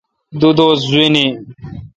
دو دوس جواین۔